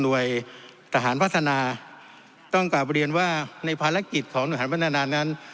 ทหารพัฒนาต้องกลับเรียนว่าในภารกิจของหน่วยทหารพัฒนานั้น